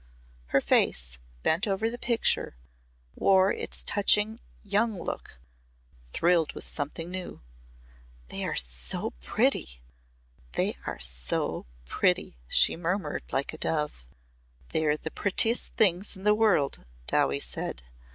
Her face, bent over the picture, wore its touching young look thrilled with something new. "They are so pretty they are so pretty," she murmured like a dove. "They're the prettiest things in the world," Dowie said.